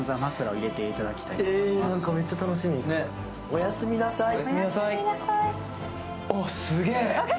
おやすみなさい。